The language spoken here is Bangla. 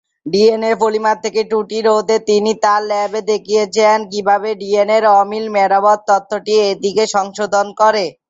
ডিএনএ পলিমার থেকে ত্রুটি রোধে তিনি তার ল্যাবে দেখিয়েছিলেন কিভাবে ডিএনএ-র অমিল মেরামত তত্ত্বটি এটিকে সংশোধন করে।